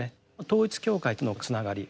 統一教会とのつながり。